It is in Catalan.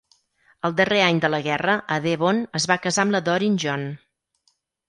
El darrer any de la guerra, a Devon, es va casar amb la Doreen John.